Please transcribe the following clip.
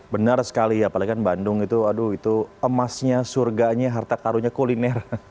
benar sekali ya apalagi kan bandung itu emasnya surganya harta karunnya kuliner